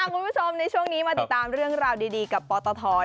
คุณผู้ชมในช่วงนี้มาติดตามเรื่องราวดีกับปตท